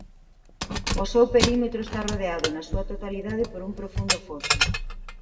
O seu perímetro está rodeado na súa totalidade por un profundo foso.